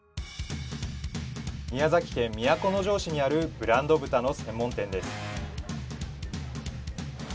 宮崎県都城市にあるブランド豚の専門店です